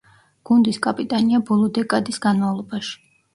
გუნდის კაპიტანია ბოლო დეკადის განმავლობაში.